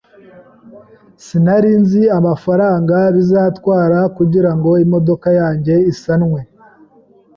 Sinari nzi amafaranga bizatwara kugirango imodoka yanjye isanwe.